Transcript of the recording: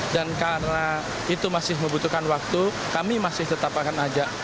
dan karena itu masih membutuhkan waktu kami masih tetap akan ajak